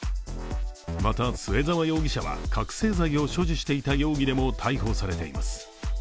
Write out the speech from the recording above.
また、末澤容疑者は覚醒剤を所持していた容疑でも逮捕されています。